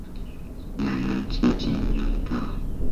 两人静静拥抱